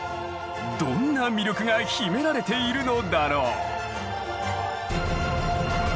どんな魅力が秘められているのだろう？